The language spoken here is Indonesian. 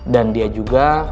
dan dia juga